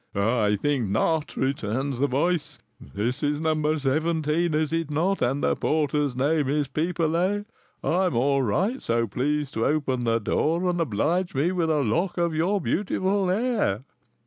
'I think not,' returns the voice; 'this is No. 17, is it not, and the porter's name is Pipelet? I'm all right; so please to open the door and oblige me with a lock of your beautiful hair.'